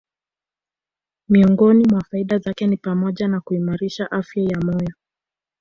Miongoni mwa faida zake ni pamoja na kuimarisha afya ya moyo